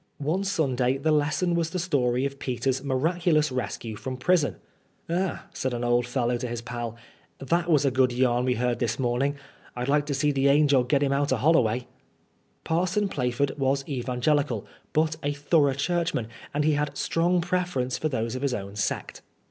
One Sunday the lesson was the story of Peter's miraculous rescue from prison. *^Ah," said an old fellow to his pal, '' that was a good yarn we heard this morning. I'd like to see th' angel git 'im out o' Hol loway." Parson Plaf ord was evangelical, but a thorough Churchman, and he had a strong preference for those of his own sect.